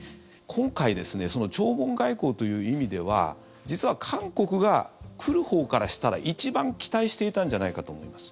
今回、弔問外交という意味では実は韓国が来るほうからしたら一番期待していたんじゃないかと思います。